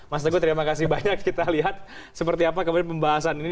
mas teguh terima kasih banyak kita lihat seperti apa kemudian pembahasan ini